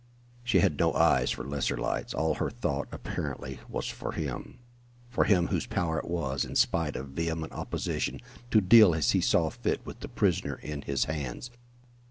She had no eyes for lesser lights. All her thought, apparently, was for him, for him whose power it was, in spite of vehement opposition, to deal as he saw fit with the prisoner in his hands.